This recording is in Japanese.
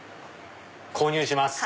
購入します